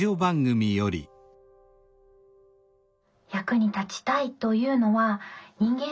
役に立ちたいというのは人間